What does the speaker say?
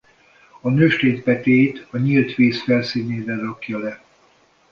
A nőstény petéit a nyílt víz felszínére rakja le.